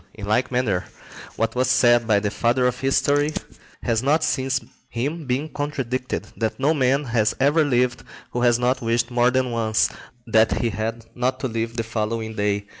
In like manner, what was said by the father of history(71) has not since him been contradicted, that no man has ever lived who has not wished more than once that he had not to live the following day.